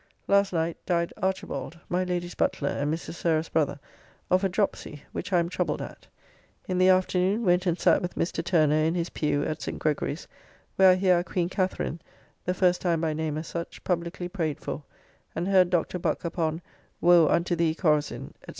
Last night died Archibald, my Lady's butler and Mrs. Sarah's brother, of a dropsy, which I am troubled at. In the afternoon went and sat with Mr. Turner in his pew at St. Gregory's, where I hear our Queen Katherine, the first time by name as such, publickly prayed for, and heard Dr. Buck upon "Woe unto thee, Corazin," &c.